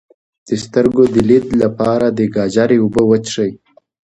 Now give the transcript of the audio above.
د سترګو د لید لپاره د ګازرې اوبه وڅښئ